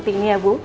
seperti ini ya bu